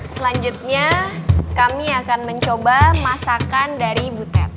selanjutnya kami akan mencoba masakan dari butet